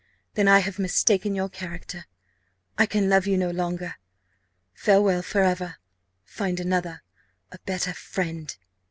_ then I have mistaken your character I can love you no longer. Farewell for ever! Find another a better friend."